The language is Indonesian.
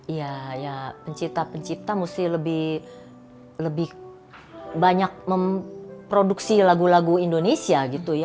iya ya pencipta pencipta mesti lebih banyak memproduksi lagu lagu indonesia gitu ya